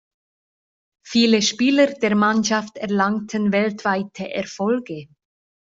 Viele Spieler der Mannschaft erlangten weltweite Erfolge.